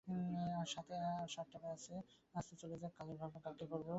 আজ সাত টাকা আছে, আজ তো চলে যাক, কালের ভাবনা কাল ভাবব।